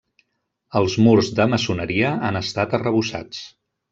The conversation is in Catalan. Els murs de maçoneria han estat arrebossats.